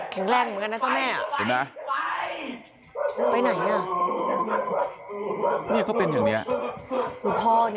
แข็งแรงเหมือนกันนะเจ้าแม่ไปไหนอ่ะ